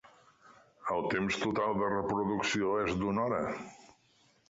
El temps total de reproducció és d'una hora.